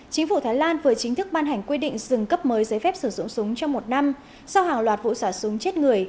chính phủ thái lan vừa chính thức ban hành quy định dừng cấp mới giấy phép sử dụng súng trong một năm sau hàng loạt vụ xả súng chết người